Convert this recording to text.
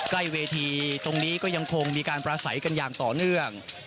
ใกล้เวทีตรงนี้ก็ยังคงมีการประสัยกันอย่างต่อเนื่อง